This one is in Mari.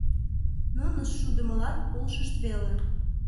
Нунышт шудымылан полшышт веле.